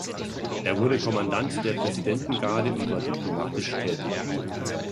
Er wurde Kommandant der Präsidentengarde und war diplomatisch tätig.